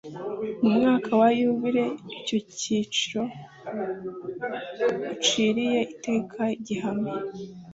mu mwaka wa yubile icyo giciro uciriye iteka gihame